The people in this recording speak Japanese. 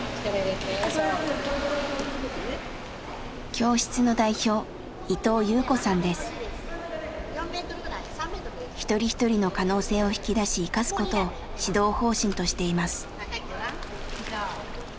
教室の代表一人一人の可能性を引き出し生かすことを指導方針としています。